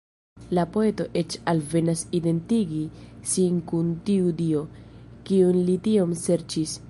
La poeto eĉ alvenas identigi sin kun tiu dio, kiun li tiom serĉis.